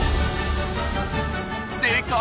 でか！